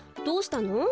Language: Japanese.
どうしたの？